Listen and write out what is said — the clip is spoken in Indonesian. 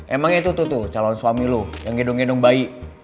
emangnya tuh tuh tuh calon suami lo yang gedung gedung bayi